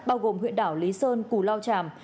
bao gồm huyện đảo lý sơn củ lao tràm